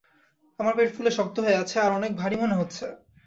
আমার পেট ফুলে শক্ত হয়ে আছে আর অনেক ভাড়ি মনে হচ্ছে।